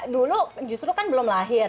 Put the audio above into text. dulu justru kan belum lahir